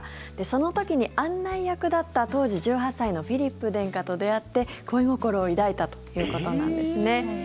その時に案内役だった当時１８歳のフィリップ殿下と出会って恋心を抱いたということなんですね。